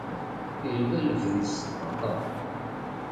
Yella lefdi s ṭṭaqa!